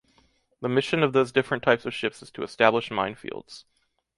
The mission of those different types of ships is to establish minefields.